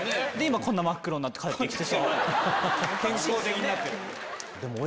こんな真っ黒になって帰ってきて。